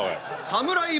サムライ